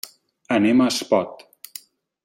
Anem a Espot.